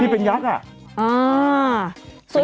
พี่เป็นยักษ์อ่ะ